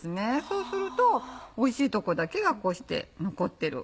そうするとおいしいとこだけがこうして残ってる。